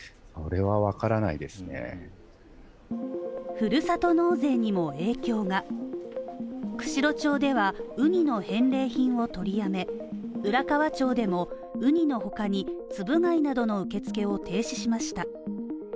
ふるさと納税にも影響が釧路町では海の返礼品を取りやめ、浦河町でもウニの他に、ツブ貝などの受付を停止しました。